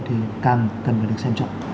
thì càng cần được xem trọng